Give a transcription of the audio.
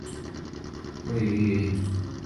父徐灏。